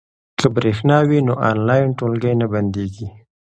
که برېښنا وي نو آنلاین ټولګی نه بندیږي.